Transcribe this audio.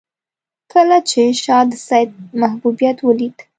کله چې شاه د سید محبوبیت ولید.